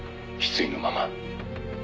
失意のまま」